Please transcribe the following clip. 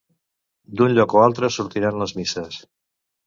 D'un lloc o altre sortiran les misses.